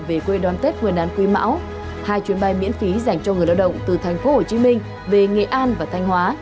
về quê đoàn tết nguyên an quy mão hai chuyến bay miễn phí dành cho người lao động từ tp hcm về nghệ an và thanh hóa